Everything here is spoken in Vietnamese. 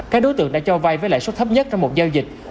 các đối tượng đã cho vay với lãi suất thấp nhất trong một giao dịch